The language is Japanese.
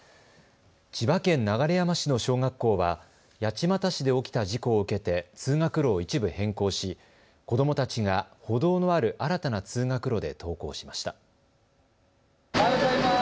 千葉県流山市の小学校は八街市で起きた事故を受けて通学路を一部変更し子どもたちが歩道のある新たな通学路で登校しました。